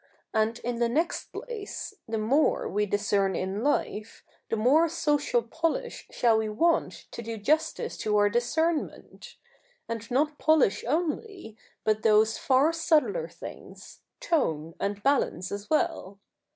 And in the next place, the more we discern in life, the more social polish shall we want to do justice to our discernment ; and not polish only, but those far subtler things, tone and balance as well.